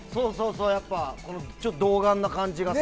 童顔な感じがさ。